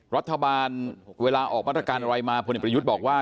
รัฐบาลเวลาออกมาตรการอะไรมาพลเอกประยุทธ์บอกว่า